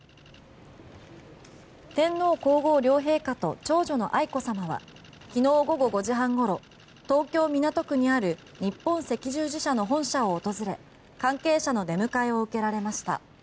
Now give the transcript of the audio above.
天皇・皇后両陛下と長女の愛子さまはきのう午後５時半ごろ東京・港区にある日本赤十字社の本社を訪れ関係者の出迎えを受けられました。